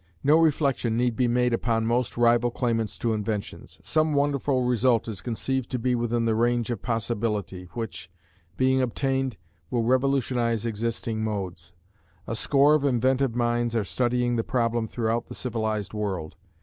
No reflection need be made upon most rival claimants to inventions. Some wonderful result is conceived to be within the range of possibility, which, being obtained, will revolutionise existing modes. A score of inventive minds are studying the problem throughout the civilised world.